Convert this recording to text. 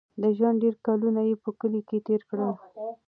د ژوند ډېر کلونه یې په کلي کې تېر کړل.